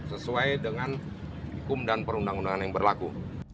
sesuai dengan hukum dan perundang undangan yang berlaku